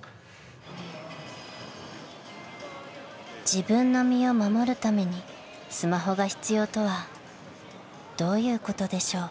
［自分の身を守るためにスマホが必要とはどういうことでしょう］